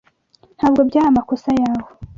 Ntabwo byari amakosa yawe.